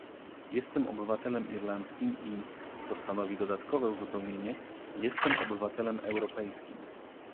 Jestem obywatelem irlandzkim i - co stanowi dodatkowe uzupełnienie - jestem obywatelem europejskim